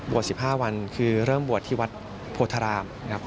บท๑๕วันคือเริ่มบทที่วัดโพธราบ